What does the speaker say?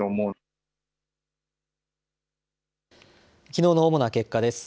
きのうの主な結果です。